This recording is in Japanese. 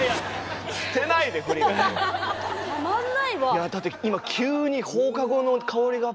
いやだって今した。